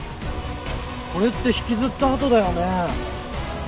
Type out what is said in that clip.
これって引きずった跡だよね。